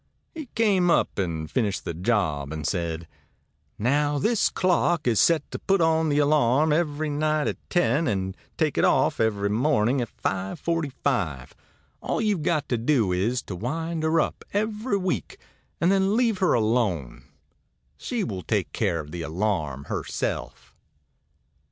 He came up and finished the job, and said: 'Now this clock is set to put on the alarm every night at 10, and take it off every morning at 5:45. All you've got to do is to wind her up every week, and then leave her alone she will take care of the alarm herself.'